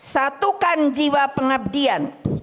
satukan jiwa pengabdian